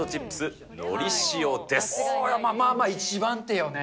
まあまあ、一番手よね。